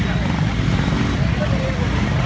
จากอีกที่สมมุติที่ที่สูงใจ